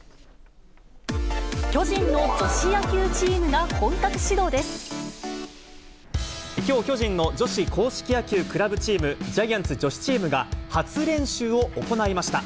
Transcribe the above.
巨人の女子野球チームが本格きょう、巨人の女子硬式野球クラブチーム、ジャイアンツ女子チームが、初練習を行いました。